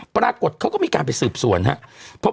ปรากฏเขาก็มีการไปสืบสวนครับ